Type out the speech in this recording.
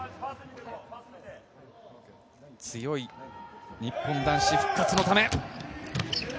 強い日本男子復活のため。